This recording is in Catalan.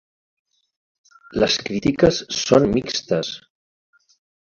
Les crítiques són mixtes.